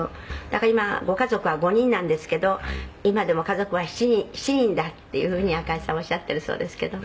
「だから今ご家族は５人なんですけど今でも家族は７人だっていうふうに赤井さんはおっしゃっているそうですけど」